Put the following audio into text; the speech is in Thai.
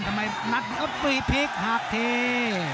ทำไมนัดยอดฟรีพลิกหากที